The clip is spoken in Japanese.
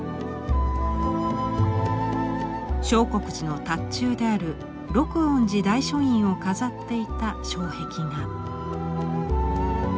相国寺の塔頭である鹿苑寺大書院を飾っていた障壁画。